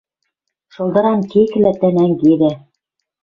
Шылдыран кеклӓ тӓ нӓнгедӓ